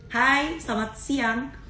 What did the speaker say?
hai selamat siang